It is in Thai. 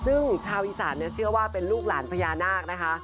ซึ่งชาวอีสานเชื่อว่าเป็นลูกหลานพญานาคนะคะ